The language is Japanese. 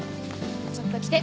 ちょっと来て！